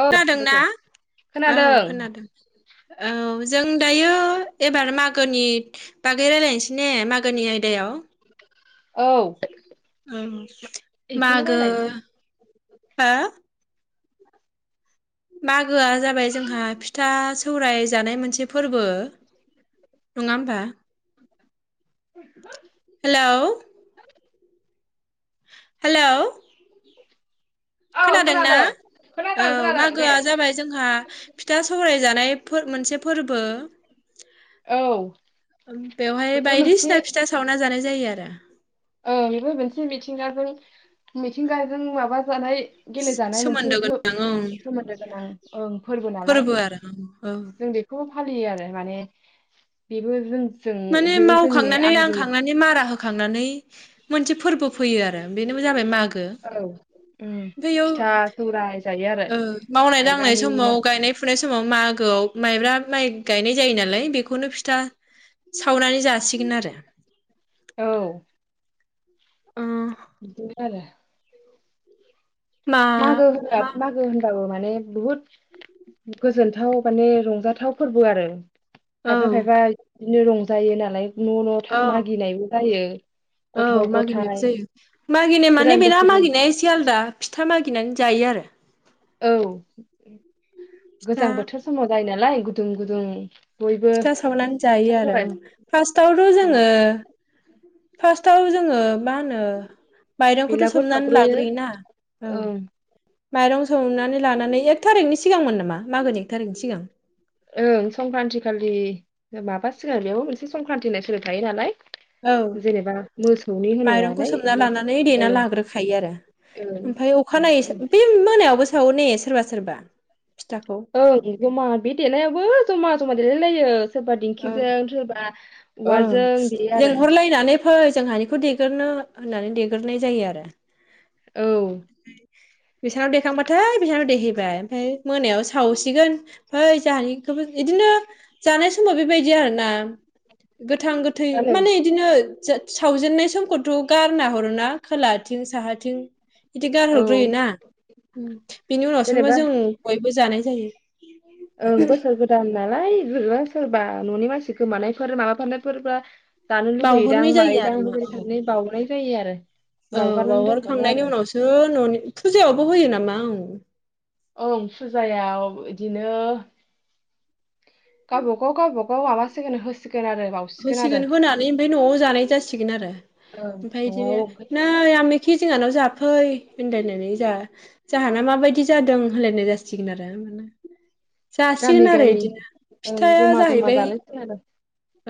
औ खोनादों ना लोगो खोनादों औ? जों दायो एबार मागोनि बागै रायलायनोसै ने मागोनि बेलायाव औ उम बेखौनो मागो रायलायनोसै हो? मागोआ जाबाय जोंहा फिथा सौराय जानाय मोनसे फोरबो नङा होमबा? हेलौ। हेलौ। खोनादों ना? औ खोनादों खोनादों दे मागोआ जाबाय जोंहा फिथा सौराय जानाय फो मोनसे फोरबो। औ उम बेवहाय बेबो मोनसे बायदिसिना फिथा सावना जानाय जायो आरो ओ बेबो मोनसे मिथिंगाजों मिथिंगाजों माबा जानाय गेलेजानाय मोनसे सोमोन्दो धो गोनां ओं सोमोन्दो गोनां ओं फोरबो नालाय औ जों बेखौ फा फालियो आरो माने बेबो जों जों माने बेबो जोंनि मावखांनानै आंगो लांखांनानै मारा हो खांनानै मोनसे फोरबो फैयो आरो बेनो जाबाय मा औ उम फिथा सौराय जायो आरो ओ मावनाय दांनाय माइब्रानि समाव गायनाय फुनाय समाव मा मागोआव माइब्रा माइ गायनाय जायो नालाय बेखौनो फिथा सावनानै जासिगोन आरो औ अ बि आरोे मा मागो होनबा मा मागो होन बाबो माने बुहुत गोजोनथाव माने रंजाथाव फोरबो आरो औ खायफा खायफा बिदिनो रंजायो नालाय न' न' औ था मागिनायबो जायो औ गथ' मागिनायबो गथाय जायो मागिनाय माने गोदान बेना बोसोरनि मागिनाया एसे आलादा फिथ था मागिनानै जायो आरो औ फिथा गोजां बोथोर समाव जायो नालाय गु दुं गुदुं बयबो फिथा सावनानै जायो फिथा आरो सौराय फास्टआवथ' सावा जोङो फास्टआव जो ङो मा होनो माइरंखौथ' बेलागुर सोमनानै सावग्रोयो लाग्रोयो ना औ ओं माइरं सौनानै लानानै एक थारिखनि सिगांमोन नामा मागोन एक थारिकनि सिगां ओं संक्रान्ति खालि माबा सिगोन बेयावबो मोनसे संक्रान्त होनाय सोदोब थायो नालाय औ जेनेबा मोसौनि होनो माइरंखौ नालाय सोमना लानानै औ देना लाग्रोखायो आरो ओं ओमफाय अखानायै ओं बे मोनायावबो सो सावोने सोरबा सोरबा फिथाखौ ओ बिगोमा बे देलायाबो जमा जमा देलायलाय लायो सोरबा ओं दिंखिजों सोरबा ओं उालजों बेयो आरो लेंहरलायनानै फै जोंहानिखौ देगोरनो होननानै देगोरनाय जायो आरो। औ। बेसानाव देखांबाथाय बिसिनाव देहैबाय ओमफाय मोनायाव सावसिगोन ओमफाय जोंहानिखौबो इदिनो जानाय समाव बेबायदि आरोना। गोथां गोथै जानो माने इदिनो सा-सावजेननाय समखौथ' गारना हरो ना खोलाथिं साहाथिं। बिदि औ गारहरग्रोयोना बिनि उनावसोमबो जेनेबा जों बयबो जानाय जायो। ओं बोसोर गोदान ना लाय होग्रा सोरबा न'नि मानसि गोमानायफोर माबाफानायफोरबा। जानो लुगैयोदां बावहरनाय जायो मायोदां आरो बेबायदि [unintelligible] साननानै बाउनाय जायो आरो औ बावगारनानै दोनहरो बावहरखांनायनि आरो उनावसो न'नि फुजायावबो होयो नामा औ। ओं फुजायाव इदिनो गावबागाव गावबागाव माबासिगोन होसिगो होसिगोन होनानै ओमफाय न'आव जानाय जासिगोन आरो ओं ओमफाय इदिनो न'आव नै आमखि जोंहानाव जाफ फै होनलायनानै जा जाहाना माबायदि जादों। होलायनाय जासिगोन आरो मानो गामि जासिगोन आरो गामि इदिनो ओं फिथाया जमा जमा जाहैबाय जालायसिगोन आरो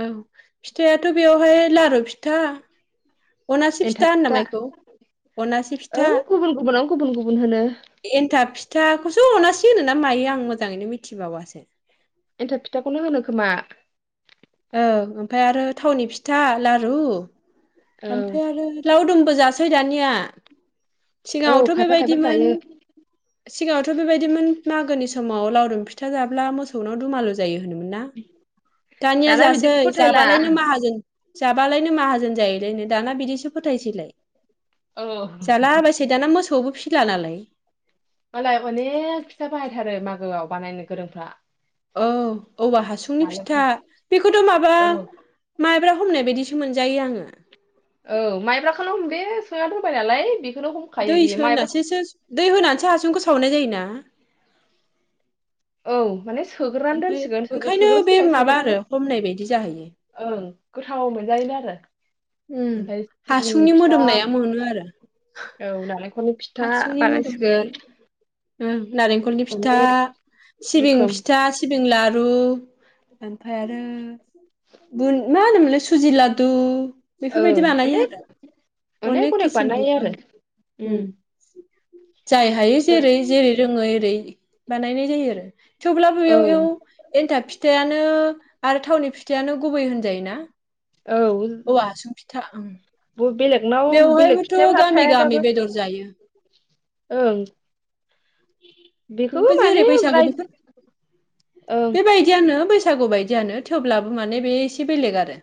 औ फिथायाथ' बेवहाय लारु फिथा। अनासे फिथा होनो नामा इखौ अनासे औ फिथा गुबुन गुबुनाव गुबुन गुबुन होनो एन्थाब फिथाखौसो अना [unintelligible] होनोना मायो आं मोजाङैनो मिथिबावासो। एन्थाब फिथाखौनो होनो खोमा। औ ओमफाय आरो थावनि फि था लारु। औ ओमफाय आरो लावदुमबो जासै दानिया औ सिगाङावथ' खायफा खायफा बेबायदिमोन। जायो सिगाङावथ' बेबायदिमोन मागोनि समाव लावदुम फिथा जाब्ला मोसौनाव दुमालु जायो। होनोमोन ना दानिया दाना जासै बिदिखौ फोथायला जाबालायनो माहाजोन। जाबालायनो माहाजोन जायो। [unintelligible] दाना बिदिसो फोथायसैलाय। औ जालाबायसै दाना मोसौबो फि ला नालाय। मालाय अनेख फिथा बाहायथारो मागोआव बानायनो गोरोंफ्रा। औ। औवा हासुंनि फिथा नालेंखर बेखौथ' माबा औ मा था हमनाय बायदिस औ माइब्राखौल'। बे सोना दोनबाय नालाय बे दै [unintelligible] दै होना हासुंखौ सावनाय जायोना? औ माने सोग्रोनानै ओमफ्राय दोनसिगोन सोगो ओंखायनो बे सोग्रोसिगोन माबा आरो सोग्रानै हमनाय बायदि जाहैयो ओं। गोथाव मोनजायोनो आरो। उम ओमफाय सिबिंनि हासुंनि फिथा मोदोमनाया मोनो आरो औ नालेंखलनि फिथा हासुंनि मोदोमनाय बानायसिगोन। ओं। नारेंखलनि फिथा अनेक सिबिं रोखोम फिथा सिबिं लारु ओमफाय आरो मा होनोमोनलै सुजि लादु। ओं बेफोरबायदि बानायो अनेक आरो। अनेक अनेक किसिमनि बानायो ओं आरो उम। जाय हायो सोर जेरै जेरै रोङो एरै। बानायनाय जायो आरो। थेवब्लाबो औ एयाव एव एनथाब फिथायानो आरो थावनि फिथायानो गुबै होनजायोना। औ औवा हासुं फिथा ओं ब' बेलेग बेलेगनाव बेवहायबोथ' फिथाइफ्रा गामि थायाबाबो गामि बेदर जायो। ओं। बेखौबो ओमफ्राय माने जेरै बैसागु राय बेथोर ओं बेबायदियानो बै बैसागु बायदियानो थेवब्लाबो माने बे एसे बेलेग आरो।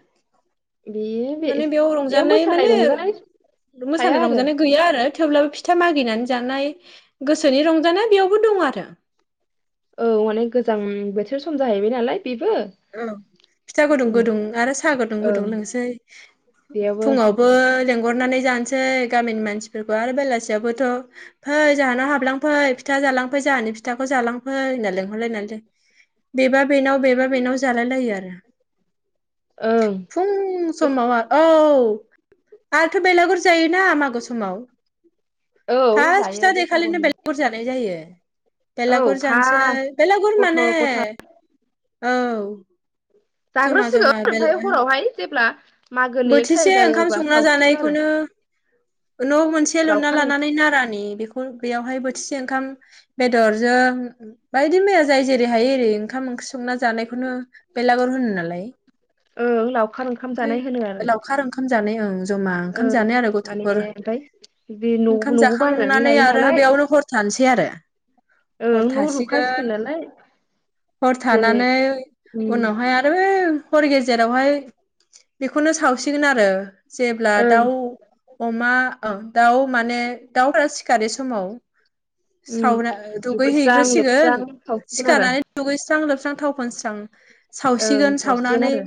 बेयो बे माने बेयाव रंजानाय मोसानाय माने रंजानाय थाया मोसानाय आरो रंजानाय गैया आरो थेवब्लाबो फि फिथा मागिनानै जानाय गोसोनि रं जानाय बेयावबो दं आरो औ माने गोजां बोथोर सम जाहैबाय नालाय। बेबो औ फिथा गुदुं उम, गुदुं आरो साहा गुदुं गुदुं ओं लोंनोसै बेयावबो फुङावबो लें हरनानै जानोसै गामि मानसिफोरखौहाय बेलासेयावबोथ' फै जाहानाव हाबलांफै फिथा जालांफै जाहानि फिथाखौ जालांफै होनना लिंहरनाय नालाय बेबा बेनाव बेबा बेनाव जालाय लायो आरो। ओं फुं बैस- समाव औ आरोथ' बेलागुर जायोना मागो समाव। औ फास्ट जायो फिथा देखालिनो बैसागुनि बेलागुर जानाय जायो। औ बेलागुर जानसै फास बेलागुर गथ' माने गथा औ। [inaudible] जमा जमा जाग्रोसिगोन ओमफ्राय हरावहाय जेब्ला मागोनि एक बोथिसे थारिख जायो ओंखाम अब्ला संना सावसिगोन आरो। जानायखौनो न' मोनसे लुना लावखार ओंखाम लानानै नारानि बेखौ बेयावहाय बोथिसे खाम बेदरजों बायदि मैया जाय जेरै हायो एरै ओंखाम ओंख्रि संना जानायखौनो बेलागुर होनो नालाय। ओं लावखार ओंखाम ओमफ्राय जानाय होनो आरो लावखार ओंखाम जानाय ओं जमा ओंखाम ओं जानाय आरो माने गथ'फोर ओमफ्राय बे न' ओंखाम न'बो बानायनानै जाखांनानै लायो आरो नालाय बेयावनो हर थानो सै आरो ओं हर न' लुखासिगोन थासिगोन नालाय हर जेने थानानै उम उनावहाय ओं हरे हर गेजेरावहाय बेखौनो सावसिगोन आरो जेब्ला ओं दाउ अमा ओ दाउ माने दाउफोरा सिखारि समाव उम सावना दुगैस्रां दुगैहैग्रोसिगोन लोबस्रां सावसिगोन आरो सिखारनानै दुगैस्रां लोबस्रां थाव फोनसि स्रां ओं सावसिगोन सावसिगोन सावनानै आरो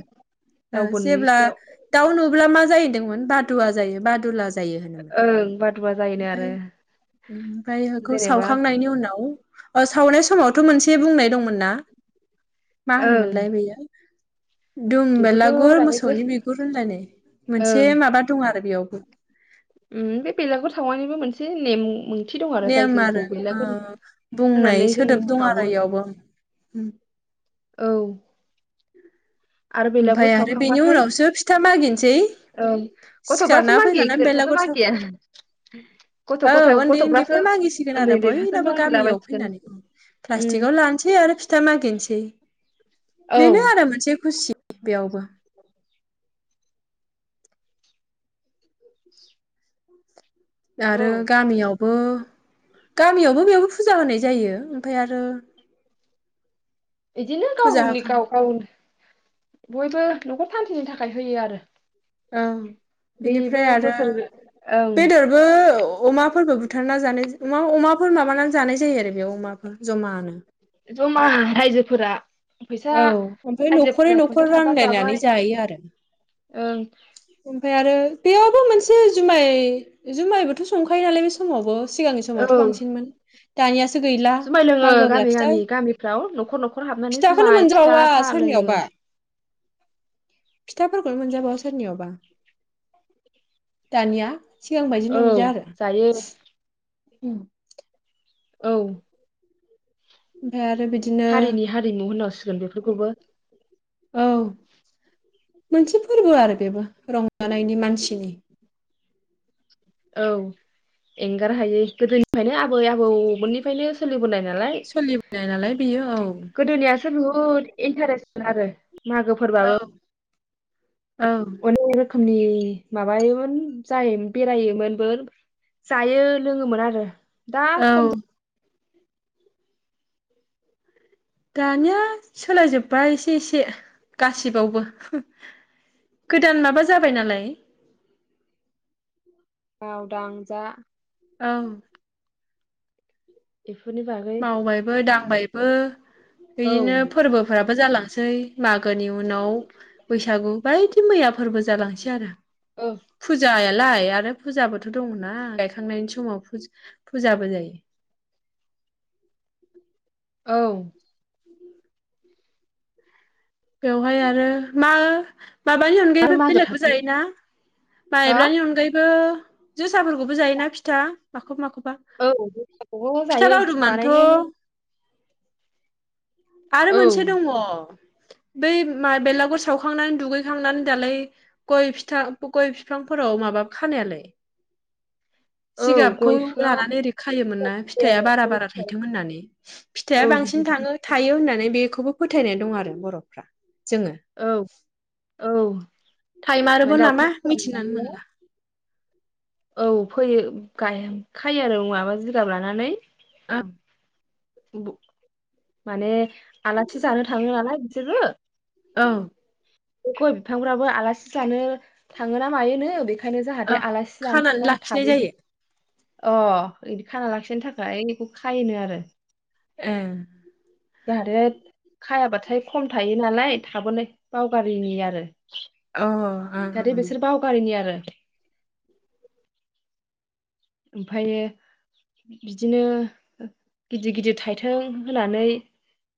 ओ रावबो जेब्ला नुयैसेयाव दाउ नु ब्ला मा जायो होन्दोंमोन बादुवा जायो बादुला जा यो होनोमोन। ओं बादुवा जायोनो ओमफाय आरो ओमफाय बेखौ जेनेबा सावखांनायनि उनाव अ सावनाय समावथ' मोनसे बुंनाय दंमोन ना? मा ओं होनोमोनलाय बैयो? दं बेखौथ' बेलागुर दानि मोसौनि गोसो बिगुर होनलायनाय मोनसे ओं माबा दं आरो बेयावबो। उम बे बेलागुर सावनानैबो मोनसे नेम [unintelligible] नेम जायखौ आरो अ बेलागुर बुंनाय होनानै जों सोदोब दं सावो आरो इयावबो उम। औ आरो बेलागुर ओमफाय आरो बेनि सावखांबाथाय उनावसो फिथा मागिनोसै। ओं गथ'फ्रासो सिखारना मागियो फैखांना गेदेरफ्राथ' बेलागुर मागिया गथ' सावखा गथाय औ उन्दै गथ'फ्रासो उन्दैफ्रा मागिसिगोन उन्दै आरो उन्दैफ्रासो बयनाबो बाहागो गामियाव लाबायसिगोन फैनानै उम प्लास्टिकआव लानोसै आरो फिथा मागिनोस सै। औ बेनो आरो मोनसे खुसि। बेयावबो आरो औ गामियाव बो गामियावबो बेयावबो फुजा होनाय जायो ओमफाय आरो एदिनो फुजा गावनि होखां गाव गाव बयबो न'खर [unintelligible] थाखाय होयो आरो ओं। बेबो बिनिफ्राय आरो बोसोर ओं बेदरबो अमाफोरबो बु थारना जानाय जा अमाफोर माबानानै जानाय जायो आरो बेयाव अमाफोर जमानो। जमा रायजोफोरा फैसा औ ओमफ्राय न'खरै रायजोफोरनाव न'खर फैसा थाबा रानलायनानै जाबाय जायो आरो। ओं ओमफाय आरो बेयावबो मोनसे जुमाय जुमायबो थ' संखायो नालाय बे समावबो। सिगांनि समावथ' औ बांसिनमोन। दानियासो गैला। जुमाय लोङो मागोब्ला गामि फिथा फिथाखौनो माय फिथा मोनजाबावा साहा लोङो। सोरनियावबा फिथाफोरखौनो मोनजाबावा सोरनियावबा दानिया। सिगां बायदि औ नंलिया आरो। जायो उम औ ओमफ्राय आर हारिनि हारिमु [unintelligible] जों बेफोरखौबो औ मोनसे फोरबो आरो बेबो रंजानायनि मानसिनि। औ एंगार हायै गोदोनिफ्रायनो आबै आबौमोननिफ्रायनो सोलिबोनाय ना सोलिबोनाय नालाय बेयो औ बहुत इन्टारेस आरो। मागो औ फोरबाबो औ [unintelligible] रोखोमनि। माबायोमोन जायोमोन बेरायोमोन बो जायो लोङोमोन आरो दा औ खम दानिया सोलायजोब्बाय एसे एसे गासिबावबो गोदान माबा जाबाय नालाय। मावदां जा। औ ए मावबायबो दांबायबो औ बिदिनो फोरबोफोराबो जालाङो सै मागोनि उनाव बैसागु बाय मैया फोरबो जालांसै आरो औ फुजायालाय आरो फुजाबोथ' दङना गायखांनायनि समाव फुजाबो जायो। [inaudible] औ बेवहाय आरो मा माबानि आरो अनगायैबो मागो बेलेगबो थाखो जायोना। हा माइब्रानि अनगायैबो जोसाफोरखौबो जायोना फिथा माखौबा माखौबा औ जखौबो फिथा होजायो बानायनो लावदुमानोथ' आरो औ मोनसे दङ बै मा बेलागुर सावखांनानै दुगैखांनानै दालाय गय फिथाइ गय बिफांफोराव माबा खानायालाय औ जिगाबखौ गय बिफाङाव लानानै ओरै खायोमोन ना होयो आरो फिथाइया बारा गय बारा फिथाइ थायथों होननानै फिथाइया औ बांसिन गिदिर गिदिर थाङो होननानै बेखौबो फोथायनाय दं आरो बर'फ्रा जोङो औ औ माने टाइमारबो दाउखा नामा फिसा मिथिनानै नुबानो मोनला औ फैयो गाय खायो आरो माबा जिगाब लानानै आ बुग माने आलासि जानो थाङो नालाय बिसोरबो औ बे गय बिफांफ्राबो आलासि जानो थाङोना मायोनो बेखौ ओंखायनो औ जाहाथे आलासि खानानै लाखिनाय जानोथाबो जायो अ बिदि खाना लाखिनो थाखाय बेखौ खायोनो आरो एह जाहाथे खायाबाथाय खम थायो नालाय थाबोनाय बावगारिनि आरो अ ओं दाहाथे ओं बिसोर बावगारिनि आरो ओमफ्रायो बिदिनो गिदिर गिदिर थाइथें होनानै